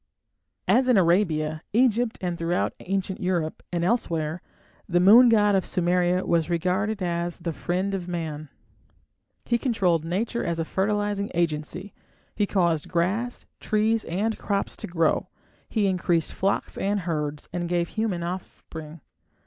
As in Arabia, Egypt, and throughout ancient Europe and elsewhere, the moon god of Sumeria was regarded as the "friend of man". He controlled nature as a fertilizing agency; he caused grass, trees, and crops to grow; he increased flocks and herds, and gave human offspring.